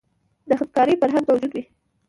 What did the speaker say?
د همکارۍ فرهنګ موجود وي.